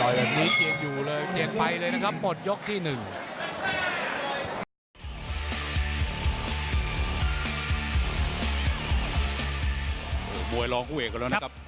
ตอนนี้เกียรติอยู่เลยเกียรติไปเลยนะครับ